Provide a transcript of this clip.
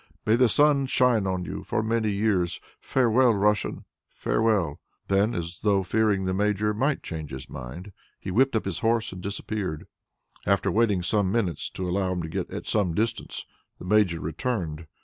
May the sun shine on you for many years! Farewell, Russian, farewell!" Then as though fearing that the Major might change his mind, he whipped up his horse and disappeared. After waiting some minutes to allow him to get to some distance, the Major returned.